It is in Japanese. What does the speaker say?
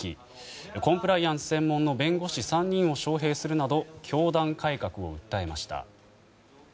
コンプライアンス専門の弁護士３人を招へいするなど教団改革を訴えました。